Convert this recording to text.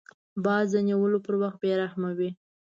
باز د نیولو پر وخت بې رحمه وي